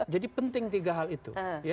jadi penting tiga hal itu